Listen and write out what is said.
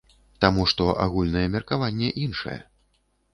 Таму што агульнае меркаванне іншае.